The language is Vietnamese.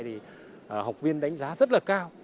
thì học viên đánh giá rất là cao